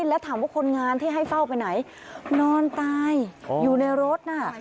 แล้วถามว่าคนงานที่ให้เฝ้าไปไหนนอนตายอยู่ในรถน่ะ